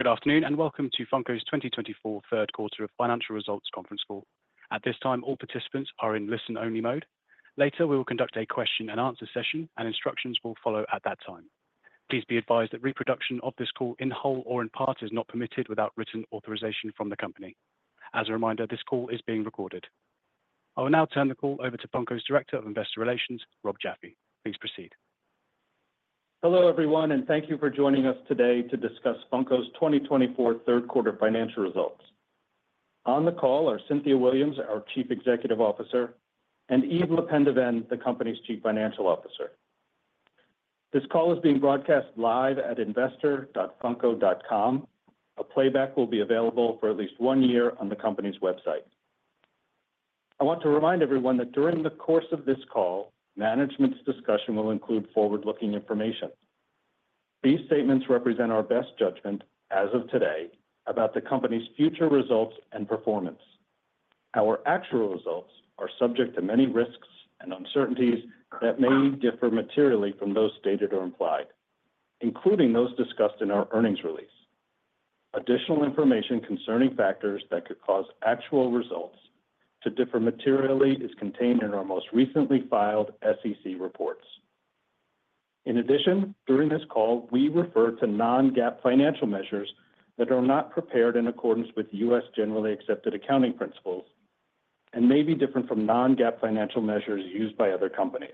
Good afternoon and welcome to Funko's 2024 Q3 of Financial Results Conference Call. At this time, all participants are in listen-only mode. Later, we will conduct a question-and-answer session, and instructions will follow at that time. Please be advised that reproduction of this call in whole or in part is not permitted without written authorization from the company. As a reminder, this call is being recorded. I will now turn the call over to Funko's Director of Investor Relations, Rob Jaffe. Please proceed. Hello everyone, and thank you for joining us today to discuss Funko's 2024 Q3 Financial Results. On the call are Cynthia Williams, our Chief Executive Officer, and Yves LePendeven, the company's Chief Financial Officer. This call is being broadcast live at investor.funko.com. A playback will be available for at least one year on the company's website. I want to remind everyone that during the course of this call, management's discussion will include forward-looking information. These statements represent our best judgment, as of today, about the company's future results and performance. Our actual results are subject to many risks and uncertainties that may differ materially from those stated or implied, including those discussed in our earnings release. Additional information concerning factors that could cause actual results to differ materially is contained in our most recently filed SEC reports. In addition, during this call, we refer to non-GAAP financial measures that are not prepared in accordance with U.S. generally accepted accounting principles and may be different from non-GAAP financial measures used by other companies.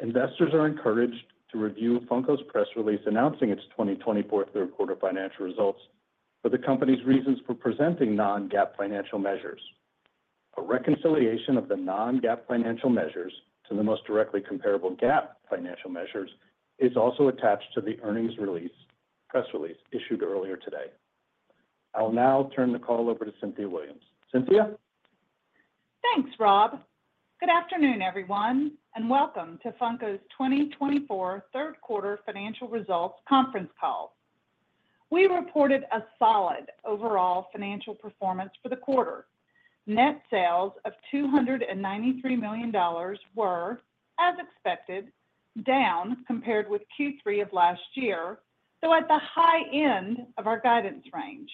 Investors are encouraged to review Funko's press release announcing its 2024 Q3 financial results for the company's reasons for presenting non-GAAP financial measures. A reconciliation of the non-GAAP financial measures to the most directly comparable GAAP financial measures is also attached to the earnings release issued earlier today. I will now turn the call over to Cynthia Williams. Cynthia. Thanks, Rob. Good afternoon, everyone, and welcome to Funko's 2024 Q3 Financial Results Conference Call. We reported a solid overall financial performance for the quarter. Net Sales of $293 million were, as expected, down compared with Q3 of last year, though at the high end of our guidance range.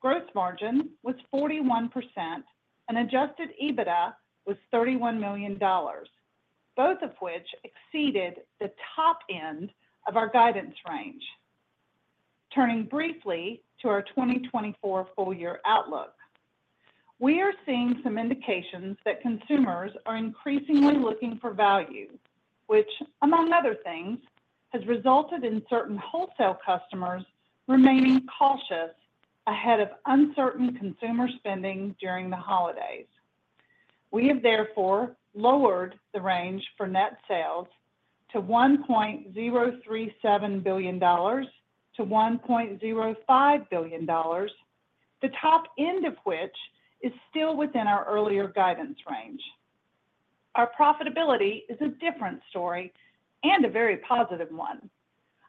Gross Margin was 41%, and Adjusted EBITDA was $31 million, both of which exceeded the top end of our guidance range. Turning briefly to our 2024 full year outlook, we are seeing some indications that consumers are increasingly looking for value, which, among other things, has resulted in certain wholesale customers remaining cautious ahead of uncertain consumer spending during the holidays. We have therefore lowered the range for Net Sales to $1.037 billion-$1.05 billion, the top end of which is still within our earlier guidance range. Our profitability is a different story and a very positive one.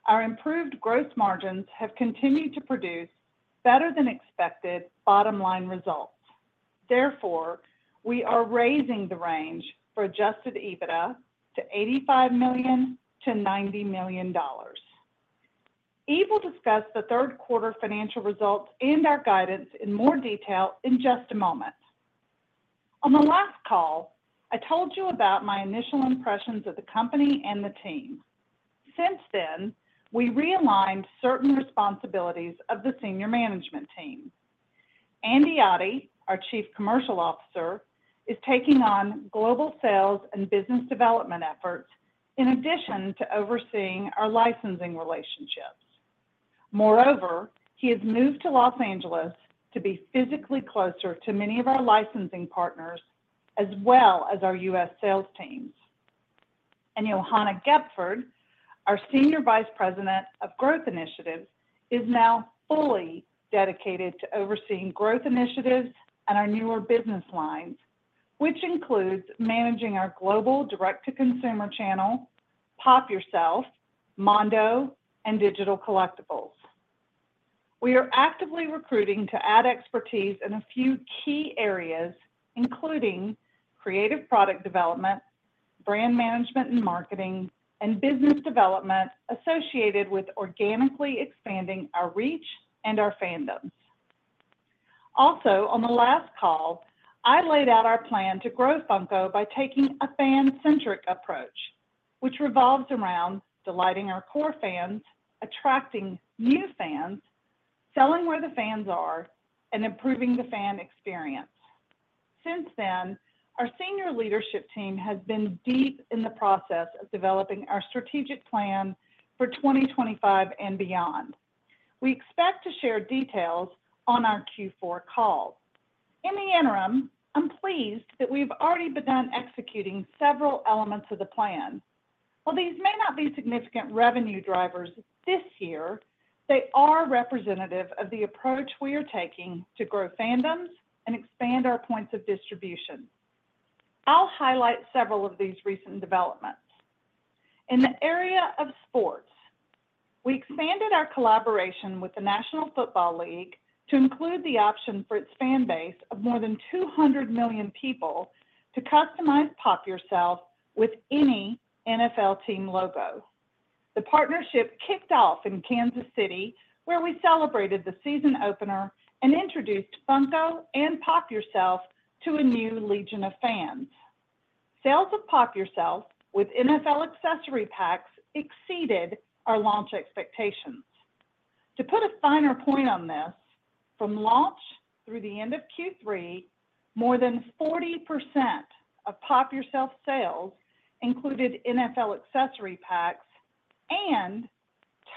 Our improved gross margins have continued to produce better than expected bottom line results. Therefore, we are raising the range for Adjusted EBITDA to $85 million-$90 million. Yves will discuss the Q3 financial results and our guidance in more detail in just a moment. On the last call, I told you about my initial impressions of the company and the team. Since then, we realigned certain responsibilities of the senior management team. Andy Otte, our Chief Commercial Officer, is taking on global sales and business development efforts in addition to overseeing our licensing relationships. Moreover, he has moved to Los Angeles to be physically closer to many of our licensing partners, as well as our U.S. sales teams. Johanna Gepford, our Senior Vice President of Growth Initiatives, is now fully dedicated to overseeing growth initiatives and our newer business lines, which includes managing our global direct-to-consumer channel, Pop! Yourself, Mondo, and digital collectibles. We are actively recruiting to add expertise in a few key areas, including creative product development, brand management and marketing, and business development associated with organically expanding our reach and our fandoms. Also, on the last call, I laid out our plan to grow Funko by taking a fan-centric approach, which revolves around delighting our core fans, attracting new fans, selling where the fans are, and improving the fan experience. Since then, our senior leadership team has been deep in the process of developing our strategic plan for 2025 and beyond. We expect to share details on our Q4 call. In the interim, I'm pleased that we've already begun executing several elements of the plan. While these may not be significant revenue drivers this year, they are representative of the approach we are taking to grow fandoms and expand our points of distribution. I'll highlight several of these recent developments. In the area of sports, we expanded our collaboration with the National Football League to include the option for its fan base of more than 200 million people to customize Pop! Yourself with any NFL team logo. The partnership kicked off in Kansas City, where we celebrated the season opener and introduced Funko and Pop! Yourself to a new legion of fans. Sales of Pop! Yourself with NFL accessory packs exceeded our launch expectations. To put a finer point on this, from launch through the end of Q3, more than 40% of Pop! Yourself sales included NFL accessory packs, and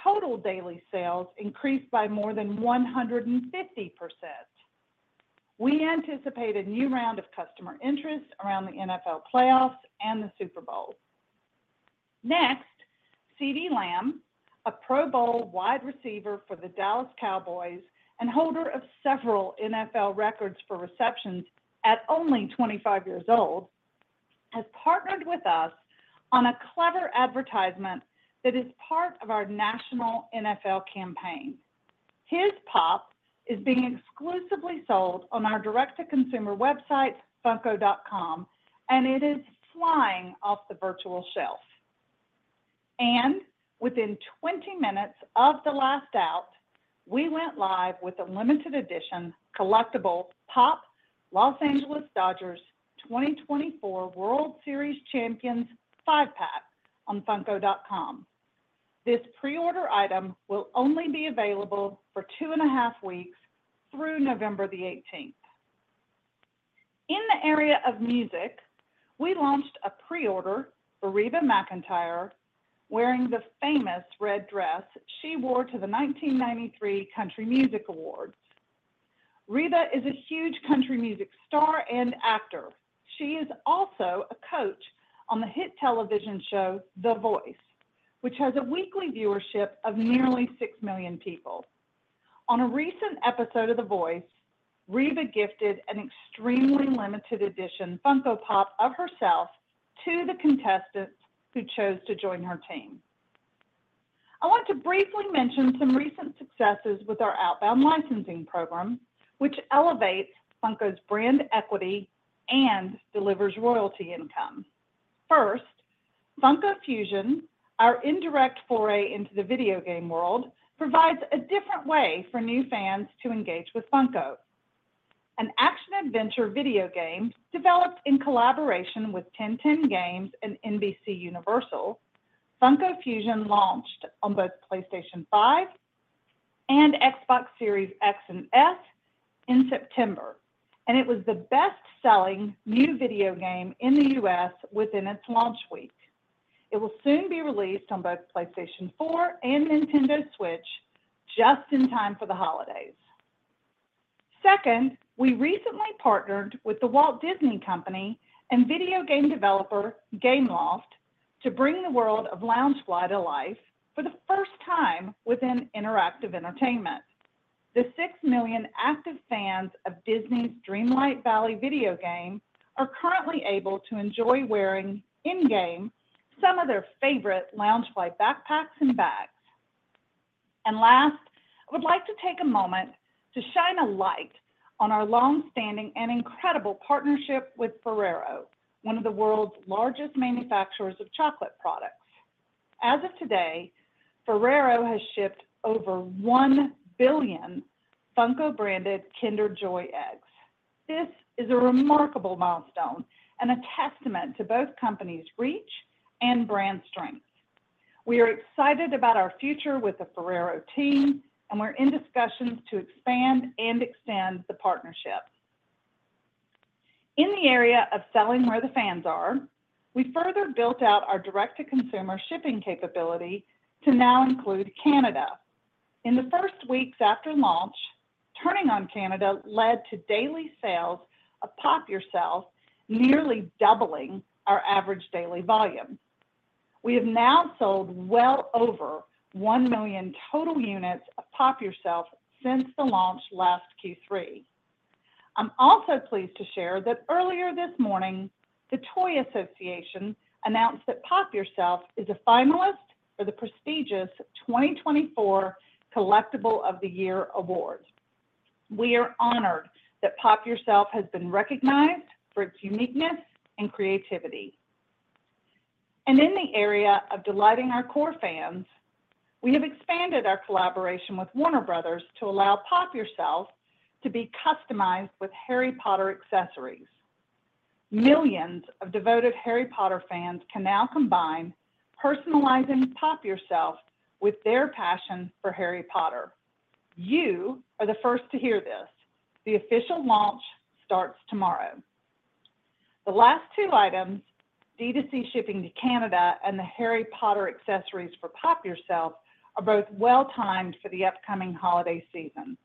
total daily sales increased by more than 150%. We anticipate a new round of customer interest around the NFL playoffs and the Super Bowl. Next, CeeDee Lamb, a Pro Bowl wide receiver for the Dallas Cowboys and holder of several NFL records for receptions at only 25 years old, has partnered with us on a clever advertisement that is part of our national NFL campaign. His Pop is being exclusively sold on our direct-to-consumer website, Funko.com, and it is flying off the virtual shelf, and within 20 minutes of the last out, we went live with a limited edition collectible Pop, Los Angeles Dodgers 2024 World Series Champions Five Pack on Funko.com. This pre-order item will only be available for two and a half weeks through November the 18th. In the area of music, we launched a pre-order for Reba McEntire wearing the famous red dress she wore to the 1993 Country Music Awards. Reba is a huge country music star and actor. She is also a coach on the hit television show The Voice, which has a weekly viewership of nearly six million people. On a recent episode of The Voice, Reba gifted an extremely limited edition Funko Pop of herself to the contestants who chose to join her team. I want to briefly mention some recent successes with our outbound licensing program, which elevates Funko's brand equity and delivers royalty income. First, Funko Fusion, our indirect foray into the video game world, provides a different way for new fans to engage with Funko. An action-adventure video game developed in collaboration with 10:10 Games and NBCUniversal, Funko Fusion launched on both PlayStation 5 and Xbox Series X and S in September, and it was the best-selling new video game in the U.S. within its launch week. It will soon be released on both PlayStation 4 and Nintendo Switch just in time for the holidays. Second, we recently partnered with the Walt Disney Company and video game developer Gameloft to bring the world of Loungefly to life for the first time within interactive entertainment. The six million active fans of Disney's Dreamlight Valley video game are currently able to enjoy wearing in-game some of their favorite Loungefly backpacks and bags. And last, I would like to take a moment to shine a light on our longstanding and incredible partnership with Ferrero, one of the world's largest manufacturers of chocolate products. As of today, Ferrero has shipped over 1 billion Funko-branded Kinder Joy eggs. This is a remarkable milestone and a testament to both companies' reach and brand strength. We are excited about our future with the Ferrero team, and we're in discussions to expand and extend the partnership. In the area of selling where the fans are, we further built out our direct-to-consumer shipping capability to now include Canada. In the first weeks after launch, turning on Canada led to daily sales of Pop Yourself nearly doubling our average daily volume. We have now sold well over 1 million total units of Pop Yourself since the launch last Q3. I'm also pleased to share that earlier this morning, the Toy Association announced that Pop Yourself is a finalist for the prestigious 2024 Collectible of the Year Award. We are honored that Pop! Yourself has been recognized for its uniqueness and creativity. And in the area of delighting our core fans, we have expanded our collaboration with Warner Bros. to allow Pop! Yourself to be customized with Harry Potter accessories. Millions of devoted Harry Potter fans can now combine personalizing Pop! Yourself with their passion for Harry Potter. You are the first to hear this. The official launch starts tomorrow. The last two items, D2C shipping to Canada and the Harry Potter accessories for Pop! Yourself, are both well-timed for the upcoming holiday season.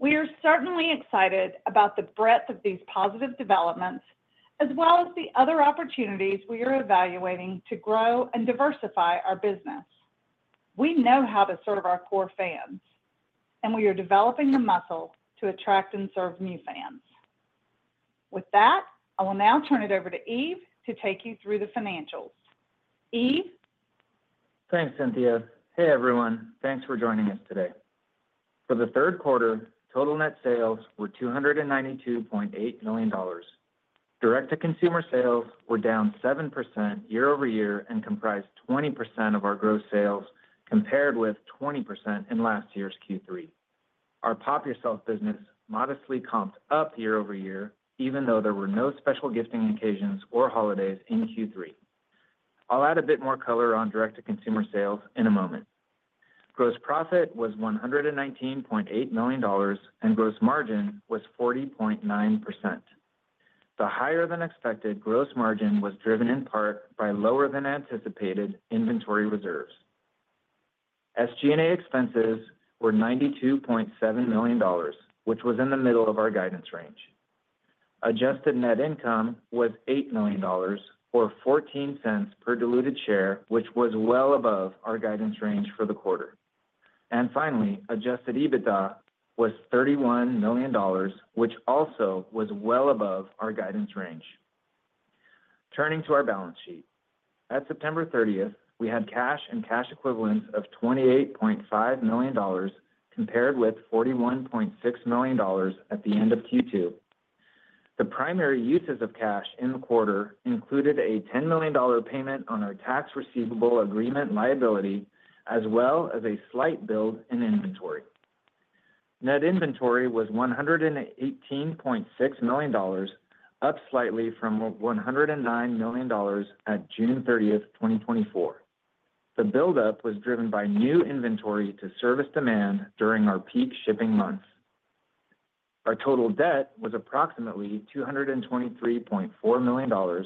We are certainly excited about the breadth of these positive developments, as well as the other opportunities we are evaluating to grow and diversify our business. We know how to serve our core fans, and we are developing the muscle to attract and serve new fans. With that, I will now turn it over to Yves to take you through the financials. Yves. Thanks, Cynthia. Hey, everyone. Thanks for joining us today. For the Q3, total net sales were $292.8 million. Direct-to-consumer sales were down 7% year-over-year and comprised 20% of our gross sales compared with 20% in last year's Q3. Our Pop! Yourself business modestly comped up year-over-year, even though there were no special gifting occasions or holidays in Q3. I'll add a bit more color on direct-to-consumer sales in a moment. Gross profit was $119.8 million and gross margin was 40.9%. The higher-than-expected gross margin was driven in part by lower-than-anticipated inventory reserves. SG&A expenses were $92.7 million, which was in the middle of our guidance range. Adjusted Net Income was $8 million, or $0.14 per diluted share, which was well above our guidance range for the quarter. And finally, Adjusted EBITDA was $31 million, which also was well above our guidance range. Turning to our balance sheet, at September 30th, we had cash and cash equivalents of $28.5 million compared with $41.6 million at the end of Q2. The primary uses of cash in the quarter included a $10 million payment on our tax receivable agreement liability, as well as a slight build in inventory. Net inventory was $118.6 million, up slightly from $109 million at June 30th, 2024. The build-up was driven by new inventory to service demand during our peak shipping months. Our total debt was approximately $223.4 million,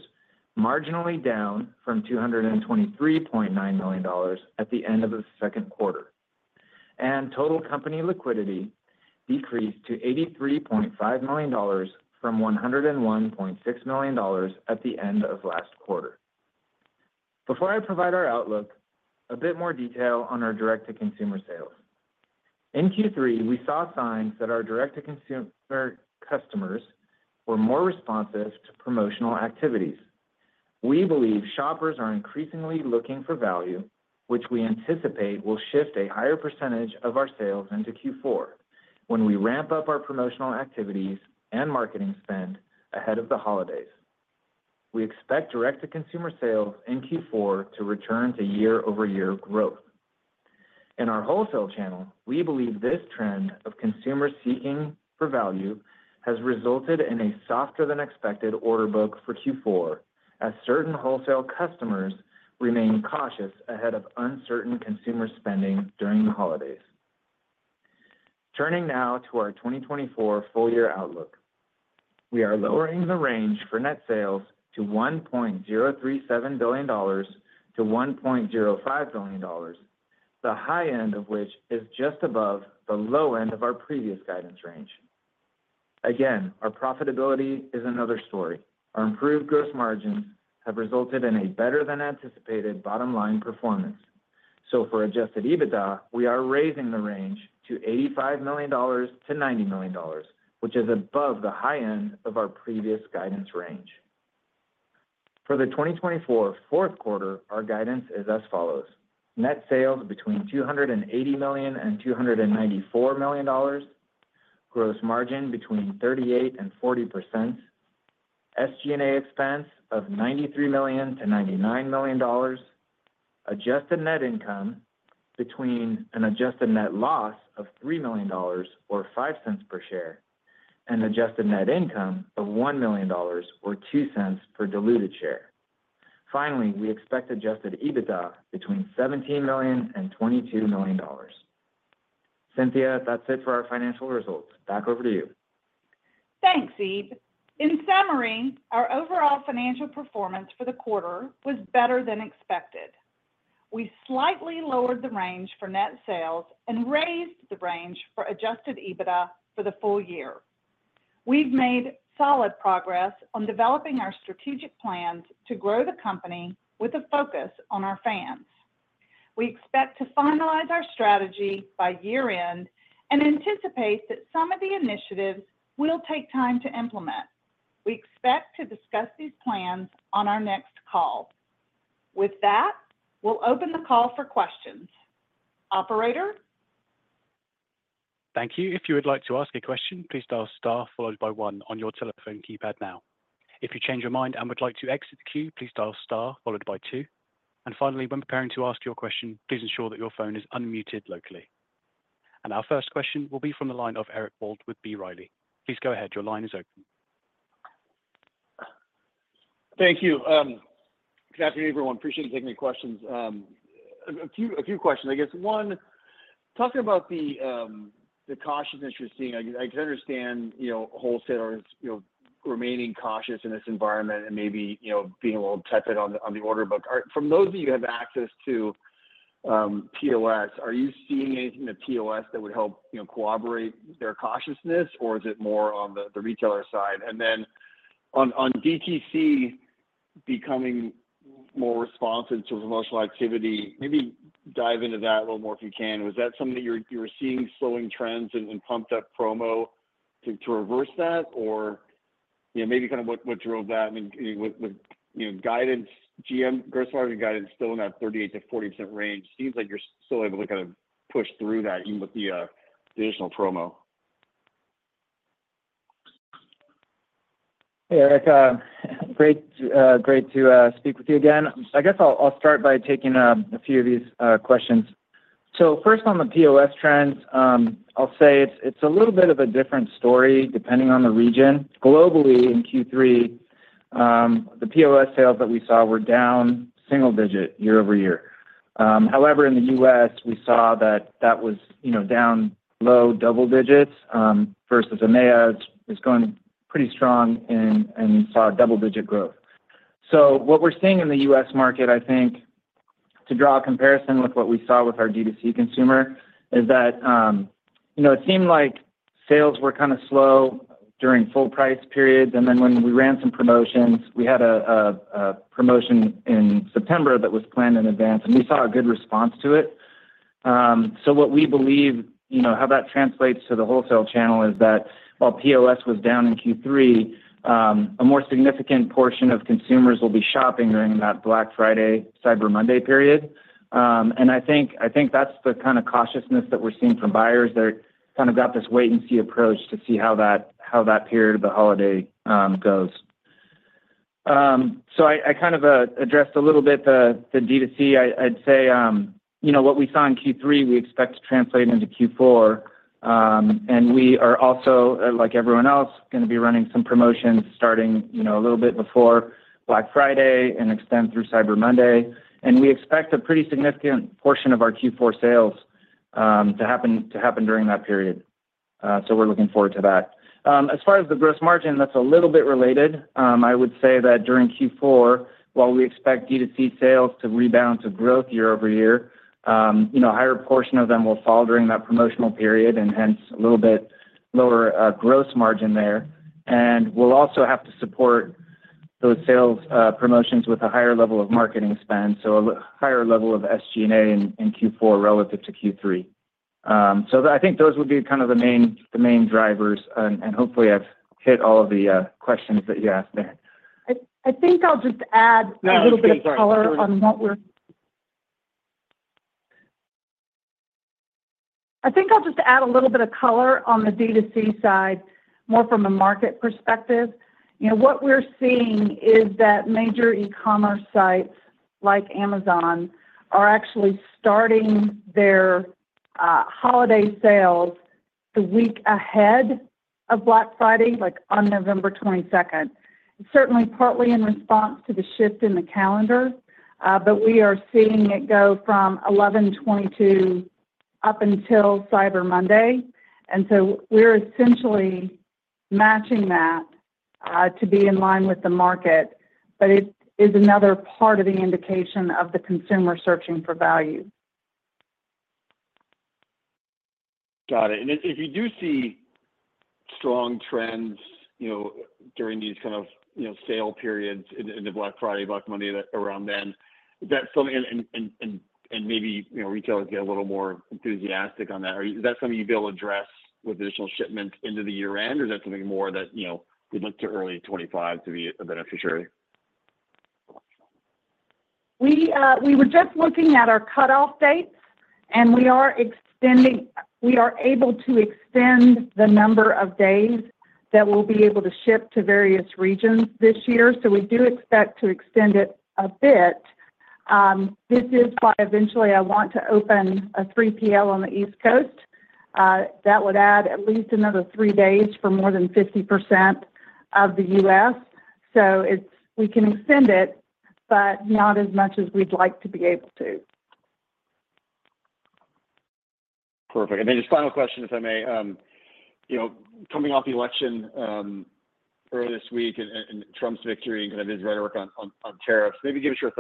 marginally down from $223.9 million at the end of the Q2. Total company liquidity decreased to $83.5 million from $101.6 million at the end of last quarter. Before I provide our outlook, a bit more detail on our direct-to-consumer sales. In Q3, we saw signs that our direct-to-consumer customers were more responsive to promotional activities. We believe shoppers are increasingly looking for value, which we anticipate will shift a higher percentage of our sales into Q4 when we ramp up our promotional activities and marketing spend ahead of the holidays. We expect direct-to-consumer sales in Q4 to return to year-over-year growth. In our wholesale channel, we believe this trend of consumers seeking for value has resulted in a softer-than-expected order book for Q4, as certain wholesale customers remain cautious ahead of uncertain consumer spending during the holidays. Turning now to our 2024 full-year outlook, we are lowering the range for net sales to $1.037 billion-$1.05 billion, the high end of which is just above the low end of our previous guidance range. Again, our profitability is another story. Our improved gross margins have resulted in a better-than-anticipated bottom-line performance. For Adjusted EBITDA, we are raising the range to $85 million-$90 million, which is above the high end of our previous guidance range. For the 2024 Q4, our guidance is as follows: Net Sales between $280 million and $294 million, gross margin between 38%-40%, SG&A expense of $93 million-$99 million, Adjusted Net Income between an adjusted net loss of $3 million, or $0.05 per share, and adjusted net income of $1 million, or $0.02 per diluted share. Finally, we expect Adjusted EBITDA between $17 million and $22 million. Cynthia, that's it for our financial results. Back over to you. Thanks, Yves. In summary, our overall financial performance for the quarter was better than expected. We slightly lowered the range for net sales and raised the range for Adjusted EBITDA for the full year. We've made solid progress on developing our strategic plans to grow the company with a focus on our fans. We expect to finalize our strategy by year-end and anticipate that some of the initiatives will take time to implement. We expect to discuss these plans on our next call. With that, we'll open the call for questions. Operator? Thank you. If you would like to ask a question, please dial star followed by one on your telephone keypad now. If you change your mind and would like to exit the queue, please dial star followed by two. And finally, when preparing to ask your question, please ensure that your phone is unmuted locally. And our first question will be from the line of Eric Wald with B. Riley. Please go ahead. Your line is open. Thank you. Good afternoon, everyone. Appreciate you taking the questions. A few questions, I guess. One, talking about the caution that you're seeing, I can understand wholesalers remaining cautious in this environment and maybe being a little tepid on the order book. From those of you who have access to POS, are you seeing anything in the POS that would help corroborate their cautiousness, or is it more on the retailer side? And then on DTC becoming more responsive to promotional activity, maybe dive into that a little more if you can. Was that something that you were seeing, slowing trends and pumped-up promo to reverse that, or maybe kind of what drove that? I mean, with guidance, GM gross margin guidance still in that 38%-40% range, seems like you're still able to kind of push through that even with the additional promo. Hey, Eric. Great to speak with you again. I guess I'll start by taking a few of these questions. So first, on the POS trends, I'll say it's a little bit of a different story depending on the region. Globally, in Q3, the POS sales that we saw were down single-digit year-over-year. However, in the U.S., we saw that that was down below double digits versus EMEA. It's going pretty strong and saw double-digit growth. So what we're seeing in the U.S. market, I think, to draw a comparison with what we saw with our DTC consumer, is that it seemed like sales were kind of slow during full-price periods. And then when we ran some promotions, we had a promotion in September that was planned in advance, and we saw a good response to it. So what we believe how that translates to the wholesale channel is that while POS was down in Q3, a more significant portion of consumers will be shopping during that Black Friday-Cyber Monday period. And I think that's the kind of cautiousness that we're seeing from buyers that kind of got this wait-and-see approach to see how that period of the holiday goes. So I kind of addressed a little bit the DTC. I'd say what we saw in Q3, we expect to translate into Q4. And we are also, like everyone else, going to be running some promotions starting a little bit before Black Friday and extend through Cyber Monday. And we expect a pretty significant portion of our Q4 sales to happen during that period. So we're looking forward to that. As far as the gross margin, that's a little bit related. I would say that during Q4, while we expect DTC sales to rebound to growth year-over-year, a higher portion of them will fall during that promotional period, and hence a little bit lower gross margin there. And we'll also have to support those sales promotions with a higher level of marketing spend, so a higher level of SG&A in Q4 relative to Q3. So I think those would be kind of the main drivers, and hopefully, I've hit all of the questions that you asked there. I think I'll just add a little bit of color on the DTC side, more from a market perspective. What we're seeing is that major e-commerce sites like Amazon are actually starting their holiday sales the week ahead of Black Friday, like on November 22nd. Certainly, partly in response to the shift in the calendar, but we are seeing it go from 11/22 up until Cyber Monday. And so we're essentially matching that to be in line with the market, but it is another part of the indication of the consumer searching for value. Got it. And if you do see strong trends during these kind of sale periods into Black Friday, Cyber Monday, around then, is that something, and maybe retailers get a little more enthusiastic on that, is that something you'd be able to address with additional shipments into the year-end, or is that something more that we'd look to early 2025 to be a beneficiary? We were just looking at our cutoff dates, and we are able to extend the number of days that we'll be able to ship to various regions this year, so we do expect to extend it a bit. This is why eventually I want to open a 3PL on the East Coast. That would add at least another three days for more than 50% of the U.S., so we can extend it, but not as much as we'd like to be able to. Perfect. And then just final question, if I may. Coming off the election early this week and Trump's victory and kind of his rhetoric on tariffs, maybe give us your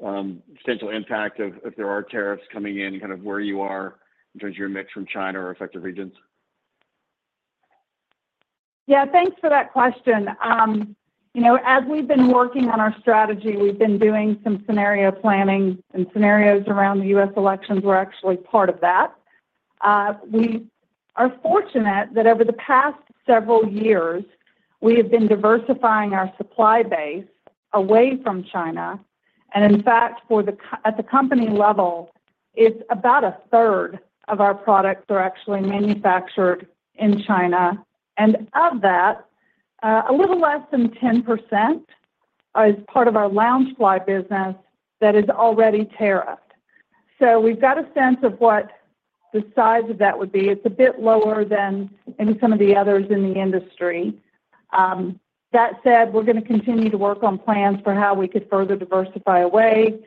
thoughts on the potential impact of there are tariffs coming in and kind of where you are in terms of your mix from China or affected regions. Yeah. Thanks for that question. As we've been working on our strategy, we've been doing some scenario planning, and scenarios around the U.S. elections were actually part of that. We are fortunate that over the past several years, we have been diversifying our supply base away from China. And in fact, at the company level, it's about a third of our products that are actually manufactured in China. And of that, a little less than 10% is part of our Loungefly business that is already tariffed. So we've got a sense of what the size of that would be. It's a bit lower than maybe some of the others in the industry. That said, we're going to continue to work on plans for how we could further diversify away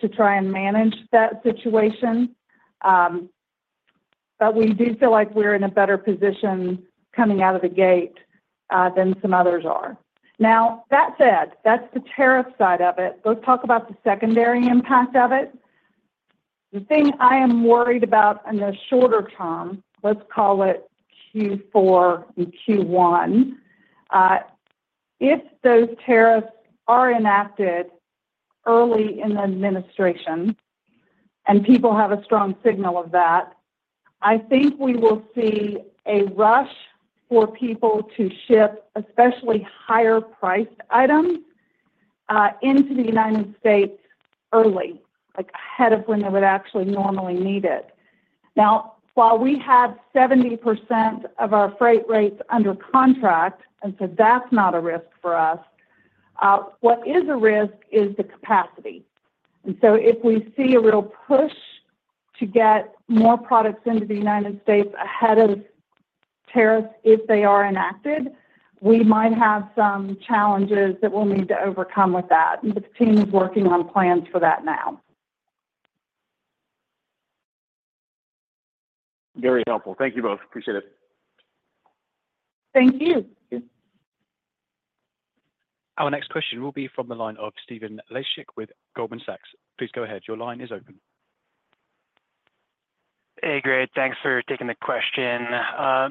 to try and manage that situation. But we do feel like we're in a better position coming out of the gate than some others are. Now, that said, that's the tariff side of it. Let's talk about the secondary impact of it. The thing I am worried about in the shorter term, let's call it Q4 and Q1, if those tariffs are enacted early in the administration and people have a strong signal of that, I think we will see a rush for people to ship especially higher-priced items into the United States early, ahead of when they would actually normally need it. Now, while we have 70% of our freight rates under contract, and so that's not a risk for us, what is a risk is the capacity. If we see a real push to get more products into the United States ahead of tariffs, if they are enacted, we might have some challenges that we'll need to overcome with that. The team is working on plans for that now. Very helpful. Thank you both. Appreciate it. Thank you. Our next question will be from the line of Stephen Laszczyk with Goldman Sachs. Please go ahead. Your line is open. Hey, great. Thanks for taking the question.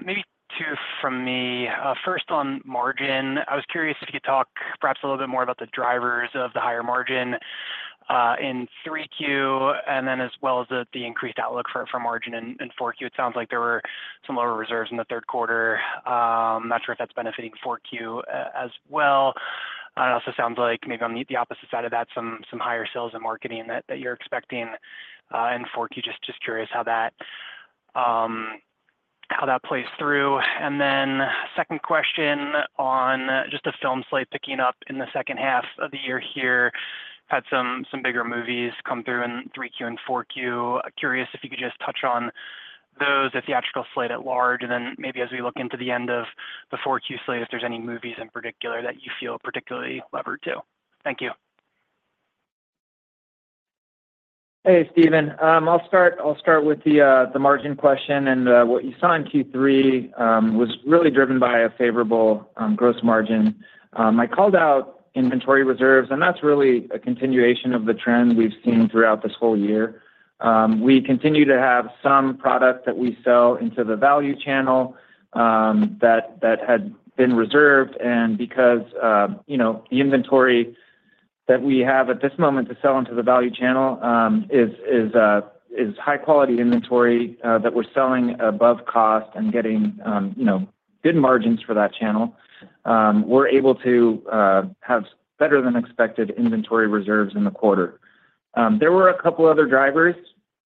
Maybe two from me. First, on margin, I was curious if you could talk perhaps a little bit more about the drivers of the higher margin in 3Q and then as well as the increased outlook for margin in 4Q. It sounds like there were some lower reserves in the Q3. I'm not sure if that's benefiting 4Q as well. And also sounds like maybe on the opposite side of that, some higher sales and marketing that you're expecting in 4Q. Just curious how that plays through. And then second question on just the film slate picking up in the second half of the year here. Had some bigger movies come through in 3Q and 4Q. Curious if you could just touch on those, the theatrical slate at large, and then maybe as we look into the end of the 4Q slate if there's any movies in particular that you feel particularly levered to? Thank you. Hey, Steven. I'll start with the margin question. And what you saw in Q3 was really driven by a favorable gross margin. I called out inventory reserves, and that's really a continuation of the trend we've seen throughout this whole year. We continue to have some product that we sell into the value channel that had been reserved. And because the inventory that we have at this moment to sell into the value channel is high-quality inventory that we're selling above cost and getting good margins for that channel, we're able to have better-than-expected inventory reserves in the quarter. There were a couple of other drivers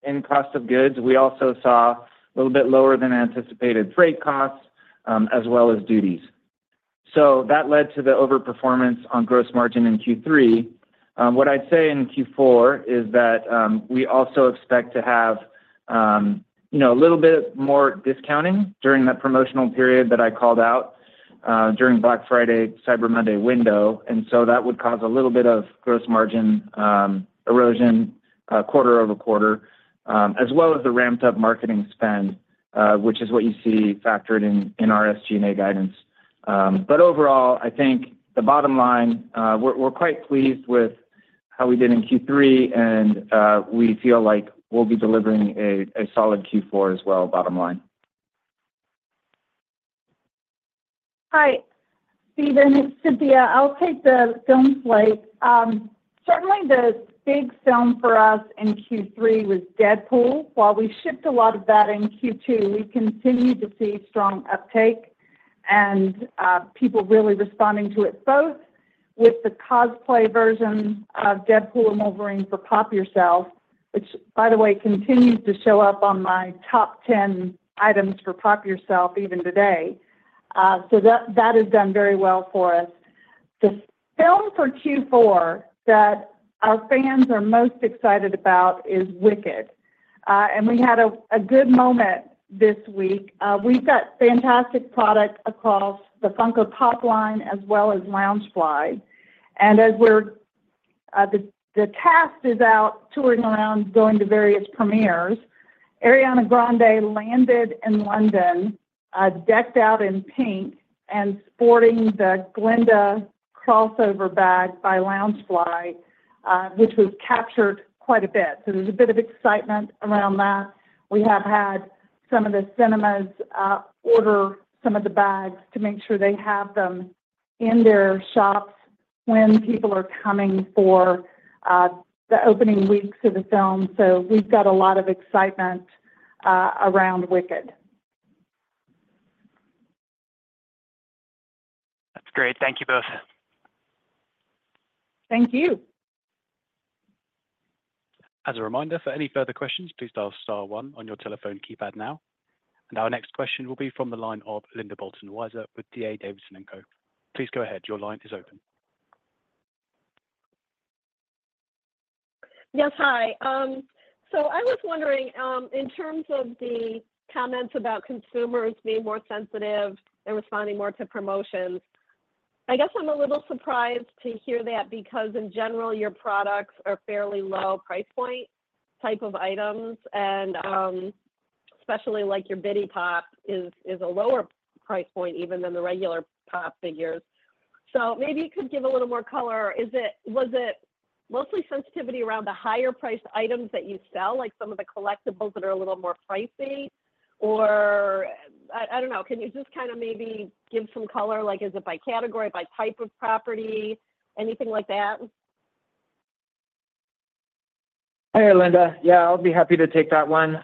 in cost of goods. We also saw a little bit lower than anticipated freight costs as well as duties. So that led to the over-performance on gross margin in Q3. What I'd say in Q4 is that we also expect to have a little bit more discounting during that promotional period that I called out during Black Friday, Cyber Monday window. And so that would cause a little bit of gross margin erosion quarter-over-quarter, as well as the ramped-up marketing spend, which is what you see factored in our SG&A guidance. But overall, I think the bottom line, we're quite pleased with how we did in Q3, and we feel like we'll be delivering a solid Q4 as well, bottom line. Hi, Steven. It's Cynthia. I'll take the film slate. Certainly, the big film for us in Q3 was Deadpool. While we shipped a lot of that in Q2, we continued to see strong uptake and people really responding to it, both with the cosplay version of Deadpool and Wolverine for Pop! Yourself, which, by the way, continues to show up on my top 10 items for Pop! Yourself even today. So that has done very well for us. The film for Q4 that our fans are most excited about is Wicked, and we had a good moment this week. We've got fantastic product across the Funko Pop! line as well as Loungefly, and as the cast is out touring around, going to various premieres, Ariana Grande landed in London, decked out in pink and sporting the Glinda crossover bag by Loungefly, which was captured quite a bit. So there's a bit of excitement around that. We have had some of the cinemas order some of the bags to make sure they have them in their shops when people are coming for the opening weeks of the film. So we've got a lot of excitement around Wicked. That's great. Thank you both. Thank you. As a reminder, for any further questions, please dial star one on your telephone keypad now. Our next question will be from the line of Linda Bolton Weiser with D.A. Davidson & Co. Please go ahead. Your line is open. Yes, hi. So I was wondering, in terms of the comments about consumers being more sensitive and responding more to promotions, I guess I'm a little surprised to hear that because, in general, your products are fairly low price point type of items, and especially your Bitty Pop! is a lower price point even than the regular Pop figures. So maybe you could give a little more color. Was it mostly sensitivity around the higher-priced items that you sell, like some of the collectibles that are a little more pricey? Or I don't know. Can you just kind of maybe give some color? Is it by category, by type of property, anything like that? Hey, Linda. Yeah, I'll be happy to take that one.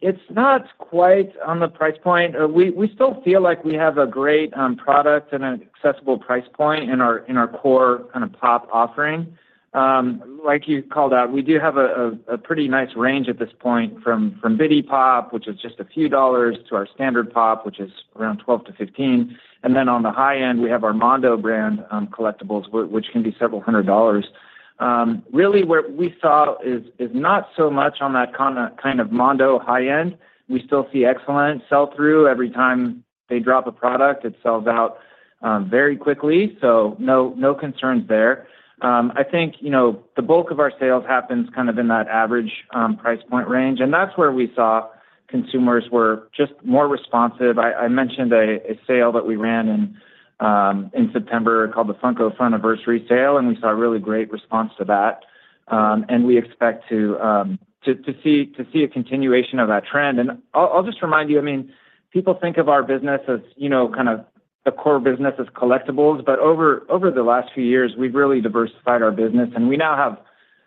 It's not quite on the price point. We still feel like we have a great product and an accessible price point in our core kind of Pop offering. Like you called out, we do have a pretty nice range at this point from Bitty Pop! which is just a few dollars, to our standard Pop, which is around $12-$15. And then on the high end, we have our Mondo brand collectibles, which can be several hundred dollars. Really, what we saw is not so much on that kind of Mondo high end. We still see excellent sell-through. Every time they drop a product, it sells out very quickly. So no concerns there. I think the bulk of our sales happens kind of in that average price point range. And that's where we saw consumers we're just more responsive. I mentioned a sale that we ran in September called the Funko Funiversary sale, and we saw really great response to that. And we expect to see a continuation of that trend. And I'll just remind you, I mean, people think of our business as kind of the core business is collectibles, but over the last few years, we've really diversified our business. And we now have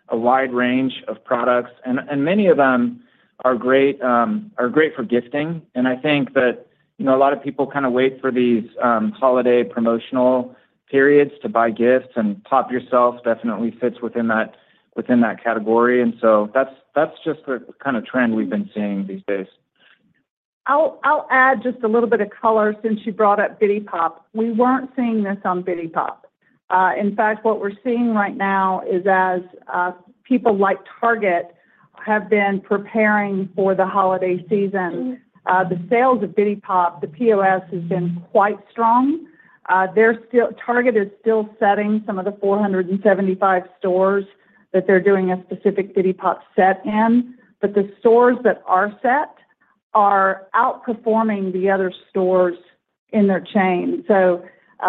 a wide range of products, and many of them are great for gifting. And I think that a lot of people kind of wait for these holiday promotional periods to buy gifts, and Pop! Yourself definitely fits within that category. And so that's just the kind of trend we've been seeing these days. I'll add just a little bit of color since you brought up Bitty Pop!. We weren't seeing this on Bitty Pop!. In fact, what we're seeing right now is as people like Target have been preparing for the holiday season, the sales of Bitty Pop!, the POS has been quite strong. Target is still setting some of the 475 stores that they're doing a specific Bitty Pop! set in, but the stores that are set are outperforming the other stores in their chain. So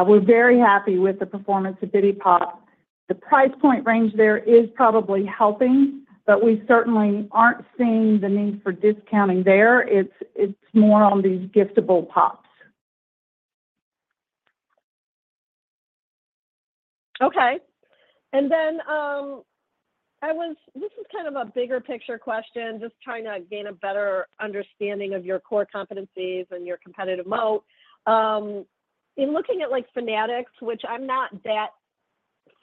we're very happy with the performance of Bitty Pop!. The price point range there is probably helping, but we certainly aren't seeing the need for discounting there. It's more on these giftable Pops. Okay. And then this is kind of a bigger picture question, just trying to gain a better understanding of your core competencies and your competitive moat. In looking at Fanatics, which I'm not that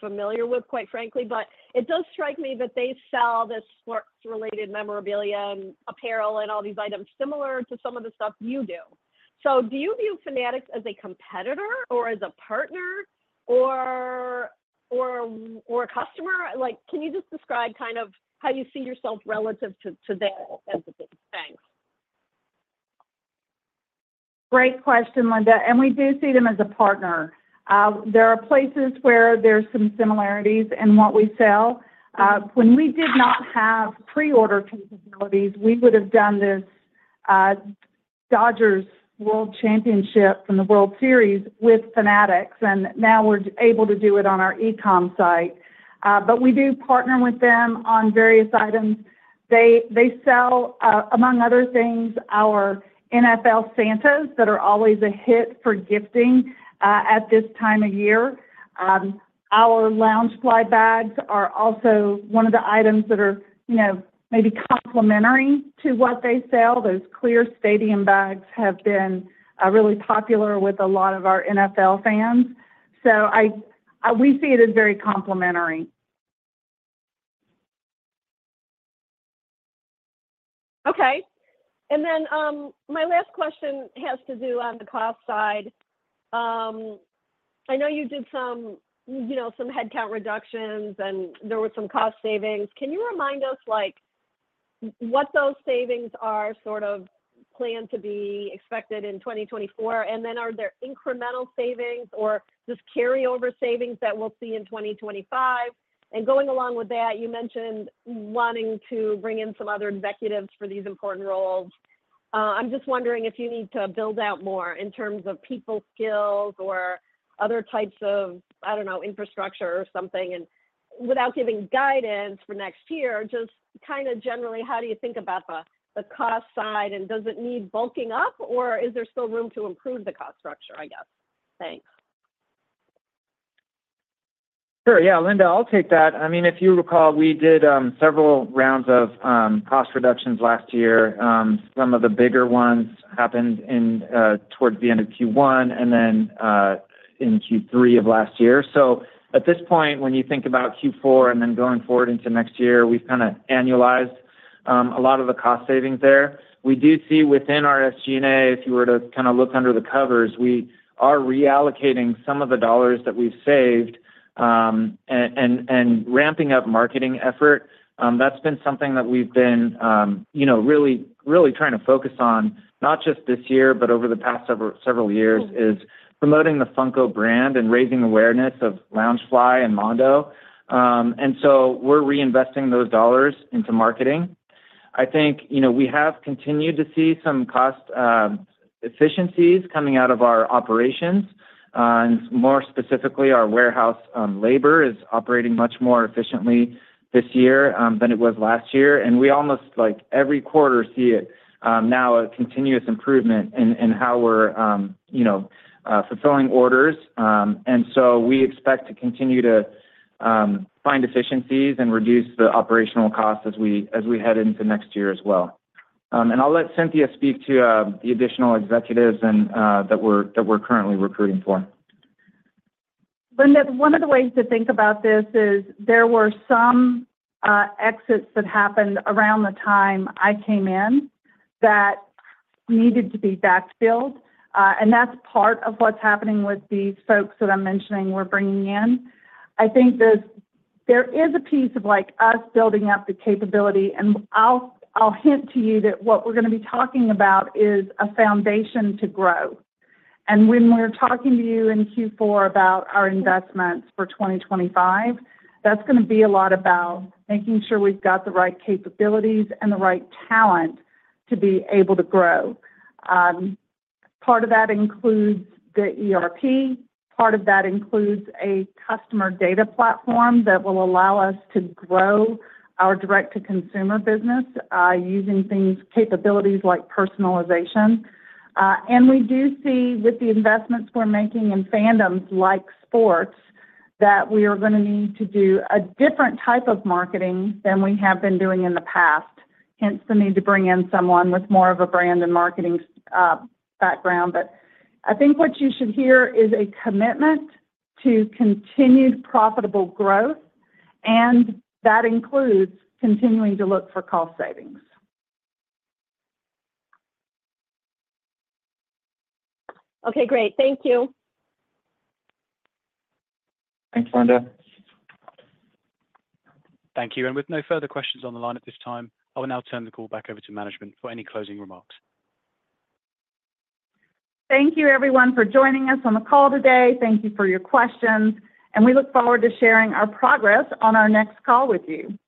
familiar with, quite frankly, but it does strike me that they sell this sports-related memorabilia and apparel and all these items similar to some of the stuff you do. So do you view Fanatics as a competitor or as a partner or a customer? Can you just describe kind of how you see yourself relative to them as a big thing? Great question, Linda. And we do see them as a partner. There are places where there are some similarities in what we sell. When we did not have pre-order capabilities, we would have done this Dodgers World Championship from the World Series with Fanatics. And now we're able to do it on our e-com site. But we do partner with them on various items. They sell, among other things, our NFL Santas that are always a hit for gifting at this time of year. Our Loungefly bags are also one of the items that are maybe complementary to what they sell. Those clear stadium bags have been really popular with a lot of our NFL fans. So we see it as very complementary. Okay. And then my last question has to do on the cost side. I know you did some headcount reductions, and there were some cost savings. Can you remind us what those savings are sort of planned to be expected in 2024? And then are there incremental savings or just carryover savings that we'll see in 2025? And going along with that, you mentioned wanting to bring in some other executives for these important roles. I'm just wondering if you need to build out more in terms of people skills or other types of, I don't know, infrastructure or something. Without giving guidance for next year, just kind of generally, how do you think about the cost side? Does it need bulking up, or is there still room to improve the cost structure, I guess? Thanks. Sure. Yeah, Linda, I'll take that. I mean, if you recall, we did several rounds of cost reductions last year. Some of the bigger ones happened towards the end of Q1 and then in Q3 of last year. So at this point, when you think about Q4 and then going forward into next year, we've kind of annualized a lot of the cost savings there. We do see within our SG&A, if you were to kind of look under the covers, we are reallocating some of the dollars that we've saved and ramping up marketing effort. That's been something that we've been really trying to focus on, not just this year, but over the past several years, is promoting the Funko brand and raising awareness of Loungefly and Mondo, and so we're reinvesting those dollars into marketing. I think we have continued to see some cost efficiencies coming out of our operations. More specifically, our warehouse labor is operating much more efficiently this year than it was last year. And we almost every quarter see it now, a continuous improvement in how we're fulfilling orders. And so we expect to continue to find efficiencies and reduce the operational costs as we head into next year as well. And I'll let Cynthia speak to the additional executives that we're currently recruiting for. Linda, one of the ways to think about this is there were some exits that happened around the time I came in that needed to be backfilled. And that's part of what's happening with these folks that I'm mentioning we're bringing in. I think there is a piece of us building up the capability. And I'll hint to you that what we're going to be talking about is a foundation to grow. And when we're talking to you in Q4 about our investments for 2025, that's going to be a lot about making sure we've got the right capabilities and the right talent to be able to grow. Part of that includes the ERP. Part of that includes a customer data platform that will allow us to grow our direct-to-consumer business using things, capabilities like personalization. And we do see with the investments we're making in fandoms like sports that we are going to need to do a different type of marketing than we have been doing in the past, hence the need to bring in someone with more of a brand and marketing background. But I think what you should hear is a commitment to continued profitable growth, and that includes continuing to look for cost savings. Okay, great. Thank you. Thanks, Linda. Thank you. With no further questions on the line at this time, I will now turn the call back over to management for any closing remarks. Thank you, everyone, for joining us on the call today. Thank you for your questions. And we look forward to sharing our progress on our next call with you.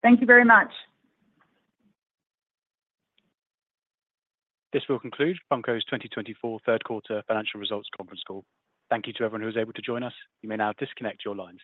Thank you very much. This will conclude Funko's 2024 Q3 Financial Results Conference Call. Thank you to everyone who was able to join us. You may now disconnect your lines.